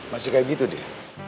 masih kayak gitu deh